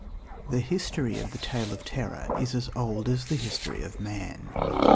The history of the tale of terror is as old as the history of man.